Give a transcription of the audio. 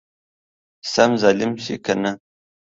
سم ظالم شې يې کنه!